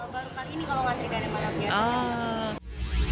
baru kali ini kalau ngantri dari malam ya